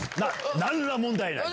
何ら問題ない！